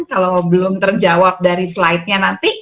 kalau belum terjawab dari slide nya nanti